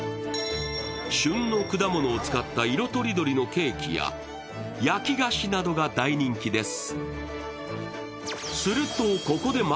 旬の果物を使った色とりどりのケーキや焼き菓子などが大人気です。